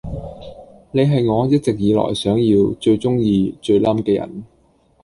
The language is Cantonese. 你係我一直以來想要，最鐘意，最冧嘅人